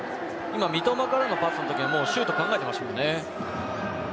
三笘からのパスのときシュート考えていましたからね。